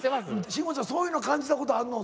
慎吾ちゃんそういうの感じたことあるの？